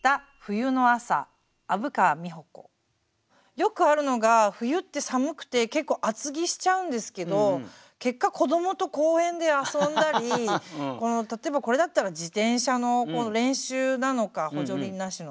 よくあるのが冬って寒くて結構厚着しちゃうんですけど結果子どもと公園で遊んだり例えばこれだったら自転車の練習なのか補助輪なしの。